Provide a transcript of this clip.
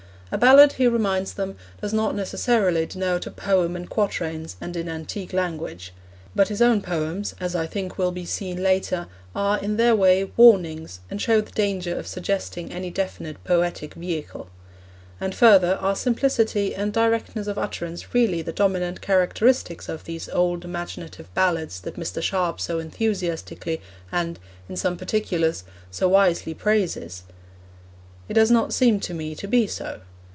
A ballad, he reminds them, does not necessarily denote a poem in quatrains and in antique language. But his own poems, as I think will be seen later, are, in their way, warnings, and show the danger of suggesting any definite 'poetic vehicle.' And, further, are simplicity and directness of utterance really the dominant characteristics of these old imaginative ballads that Mr. Sharp so enthusiastically, and, in some particulars, so wisely praises? It does not seem to me to be so.